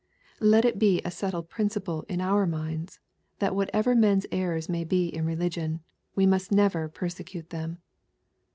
Let it be a settled principle in our minds, that what ever men*s errors may bo in religion, we must never persecute them.